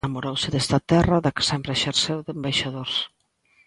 Namorouse desta terra, da que sempre exerceu de embaixador.